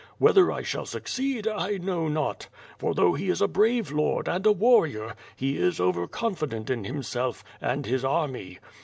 Whether I shall succeed, I know not, for though he is a brave lord, and a warrior, he is over confident in himself, and his army.